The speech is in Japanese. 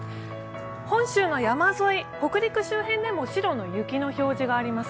本州の山沿い、北陸周辺でも雪の表示があります。